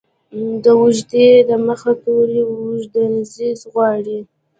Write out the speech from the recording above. د اوږدې ې د مخه توری اوږدزير غواړي.